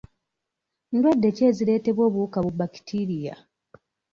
Ndwadde ki ezireetebwa obuwuka bu bakitiiriya?